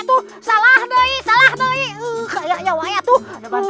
faham tak berulang